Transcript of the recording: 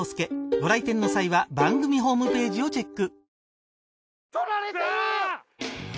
ご来店の際は番組ホームページをチェック